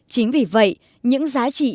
chính vì vậy những giá trị